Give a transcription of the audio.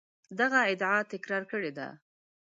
دغه ادعا تکرار کړې ده.